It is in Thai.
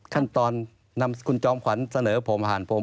ขั้นตอนนำคุณจอมขวัญเสนอผมผ่านผม